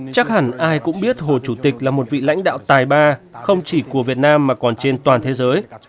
chắc hẳn ai cũng biết hồ chủ tịch là một vị lãnh đạo tài ba không chỉ của việt nam mà còn trên toàn thế giới